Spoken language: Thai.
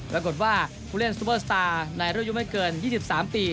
ปรากฏว่าผู้เล่นซูเปอร์สตาร์ในรุ่นอายุไม่เกิน๒๓ปี